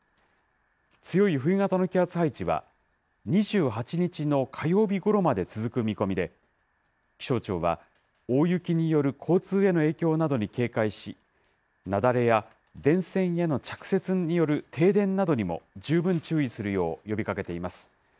強い冬型の気圧配置は、２８日の火曜日ごろまで続く見込みで、気象庁は、大雪による交通への影響などに警戒し、雪崩や電線への着雪による停電などにも十分注意するよう呼びかけています。